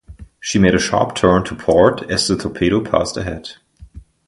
She made a sharp turn to port as the torpedo passed ahead.